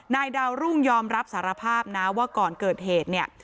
ดาวรุ่งยอมรับสารภาพนะว่าก่อนเกิดเหตุเนี่ย